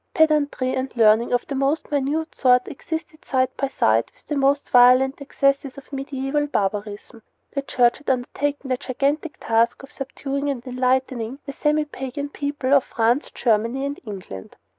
Pedantry and learning of the most minute sort existed side by side with the most violent excesses of medieval barbarism. The Church had undertaken the gigantic task of subduing and enlightening the semi pagan peoples of France and Germany and England.